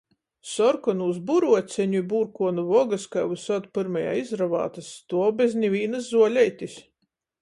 Sorkonūs buruoceņu i burkuonu vogys jai vysod pyrmajai izravātys, stuov bez nivīnys zuoleitis.